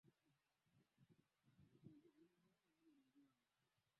Binamu anacheka